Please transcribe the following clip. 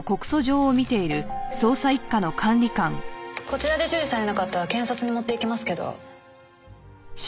こちらで受理されなかったら検察に持っていきますけど。